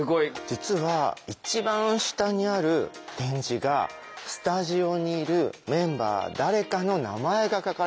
実は一番下にある点字がスタジオにいるメンバー誰かの名前が書かれているんです。